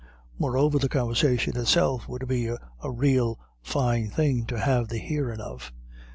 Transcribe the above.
Moreover, the conversation itself would be a rael fine thing to have the hearing of.